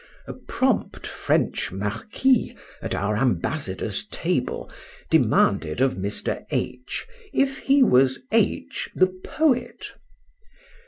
A prompt French marquis at our ambassador's table demanded of Mr. H—, if he was H— the poet?